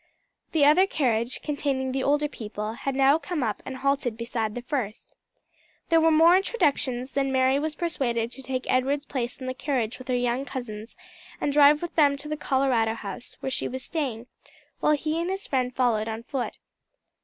The other carriage, containing the older people, had now come up and halted beside the first. There were more introductions, then Mary was persuaded to take Edward's place in the carriage with her young cousins, and drive with them to the Colorado House, where she was staying, while he and his friend followed on foot.